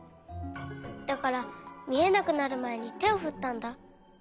だからみえなくなるまえにてをふったんだ。